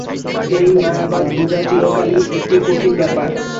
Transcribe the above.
এই মায়াবাদ বুঝা চিরকালই একটি কঠিন ব্যাপার।